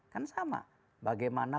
kan sama bagaimana